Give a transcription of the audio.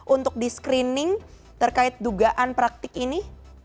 untuk di screening terkait dugaan praktik ini